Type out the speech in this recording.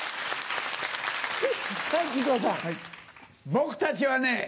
僕たちはね